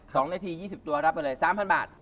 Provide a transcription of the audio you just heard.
สองนาที๒๐ตัวรับกันเลย๓๐๐๐บาท